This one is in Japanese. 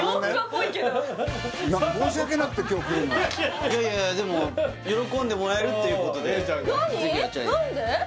いやいやいやいやいやでも喜んでもらえるっていうことで何？